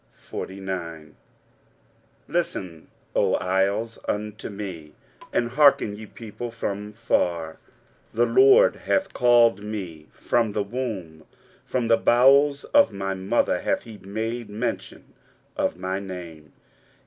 23:049:001 Listen, O isles, unto me; and hearken, ye people, from far; The LORD hath called me from the womb; from the bowels of my mother hath he made mention of my name.